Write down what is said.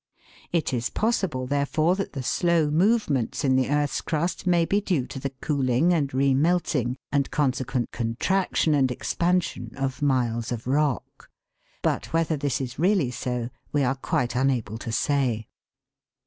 It is possible, therefore, that the slow movements in the earth's crust may be due to the cooling and re melting and consequent contraction and expansion of miles of rock ; but whether this is really so we are quite unable to say.